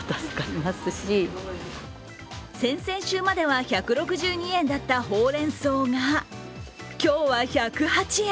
先々週までは１６２円だったほうれんそうが今日は１０８円。